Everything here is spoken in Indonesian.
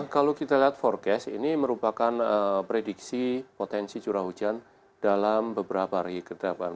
kalau kita lihat forecast ini merupakan prediksi potensi curah hujan dalam beberapa hari ke depan